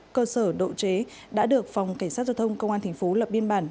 cơ sở độ chế đã được phòng cảnh sát giao thông công an tp lập biên bản